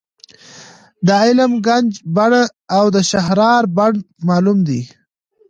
د عالم ګنج بڼ او د شهرارا بڼ مثالونه دي.